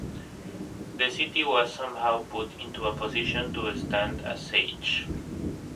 The city was somehow put into a position to stand a siege.